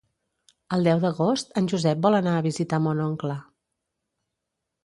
El deu d'agost en Josep vol anar a visitar mon oncle.